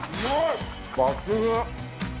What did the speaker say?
抜群！